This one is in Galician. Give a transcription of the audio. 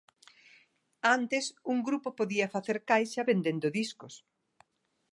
Antes un grupo podía facer caixa vendendo discos.